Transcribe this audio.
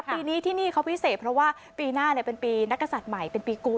ปีนี้ที่นี่เขาพิเศษเพราะว่าปีหน้าเป็นปีนักศัตริย์ใหม่เป็นปีกูล